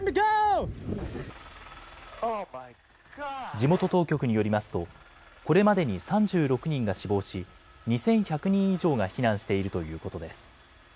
地元当局によりますと、これまでに３６人が死亡し、２１００人以上が避難しているということです。